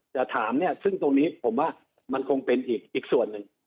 จะถามเนี่ยซึ่งตรงนี้ผมว่ามันคงเป็นอีกส่วนหนึ่ง